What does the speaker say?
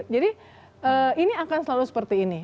jadi ini akan selalu seperti ini